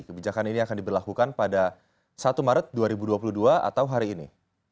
kebijakan ini akan diberlakukan pada satu maret dua ribu dua puluh dua atau hari ini